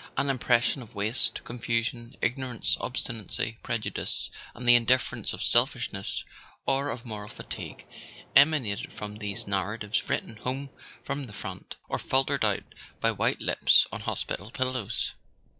An impression of waste, confusion, ignorance, obstinacy, prejudice, and the indifference of selfishness or of mortal fatigue, emanated from these narratives written home from the front, or faltered out by white lips on hospital pillows.